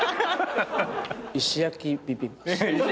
石焼ビビンバです。